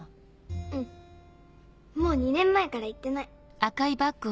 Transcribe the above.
うんもう２年前から行ってない。